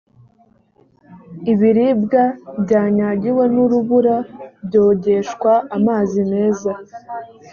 ibiribwa byanyagiwe nurubura byogeshwa amazi meza